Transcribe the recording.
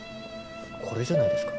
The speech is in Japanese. これじゃないですか？